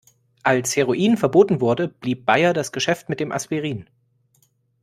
Als Heroin verboten wurde, blieb Bayer das Geschäft mit dem Aspirin.